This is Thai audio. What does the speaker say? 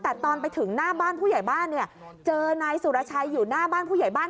แต่ตอนไปถึงหน้าบ้านผู้ใหญ่บ้านเนี่ยเจอนายสุรชัยอยู่หน้าบ้านผู้ใหญ่บ้าน